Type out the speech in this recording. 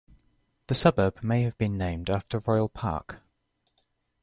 The suburb may have been named after Royal Park.